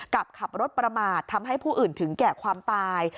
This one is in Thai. ขับรถประมาททำให้ผู้อื่นถึงแก่ความตาย